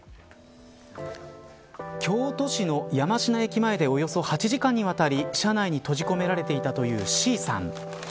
京都市の山科駅前でおよそ８時間にわたり車内に閉じ込められていたというＣさん。